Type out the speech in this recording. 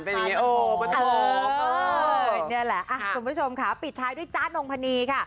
เป็นอย่างนี้โอ้ประโยชน์นี่แหละคุณผู้ชมค่ะปิดท้ายด้วยจ้านงพณีค่ะ